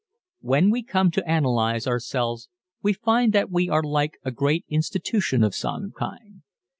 When we come to analyze ourselves we find that we are like a great institution of some kind.